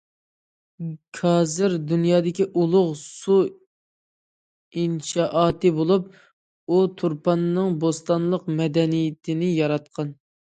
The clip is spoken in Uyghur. كارىز دۇنيادىكى ئۇلۇغ سۇ ئىنشائاتى بولۇپ، ئۇ تۇرپاننىڭ بوستانلىق مەدەنىيىتىنى ياراتقان.